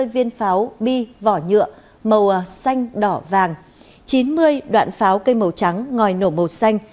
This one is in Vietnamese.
hai mươi viên pháo bi vỏ nhựa màu xanh đỏ vàng chín mươi đoạn pháo cây màu trắng ngòi nổ màu xanh